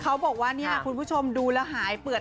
เขาบอกว่าคุณผู้ชมดูแล้ว